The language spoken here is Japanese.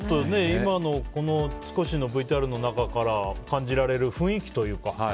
今のこの少しのＶＴＲの中から感じられる雰囲気というか。